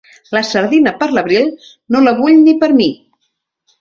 La sardina per l'abril no la vull per mi.